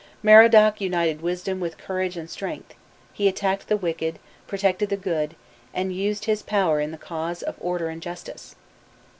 Merodach united wisdom with courage and strength: he attacked the wicked, protected the good, and used his power in the cause of order and justice.